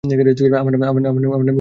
আমার নাম পুরো শহরে খারাপ করেছে।